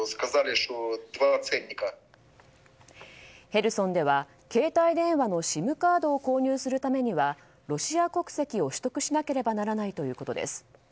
ヘルソンでは携帯電話のＳＩＭカードを購入するためにはロシア国債を取得しなければならないということです。